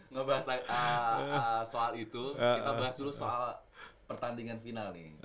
ngebahas soal itu kita bahas dulu soal pertandingan final nih